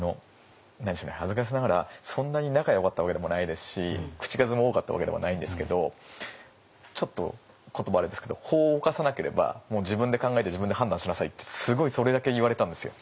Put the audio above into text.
恥ずかしながらそんなに仲よかったわけでもないですし口数も多かったわけでもないんですけどちょっと言葉あれですけど「法を犯さなければ自分で考えて自分で判断しなさい」ってすごいそれだけ言われたんですよ。